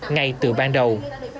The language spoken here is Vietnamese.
ngay từ ban đầu